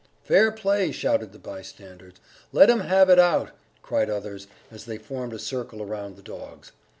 "Fair play!" shouted the bystanders.... "Let 'em have it out!" cried others, as they formed a circle around the dogs....